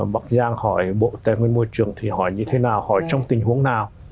bạc giang hỏi bộ tài nguyên môi trường thì hỏi như thế nào hỏi trong tình huống nào